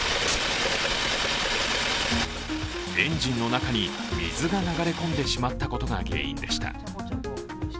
エンジンの中に水が流れ込んでしまったことが原因でした。